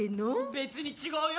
別に違うよ。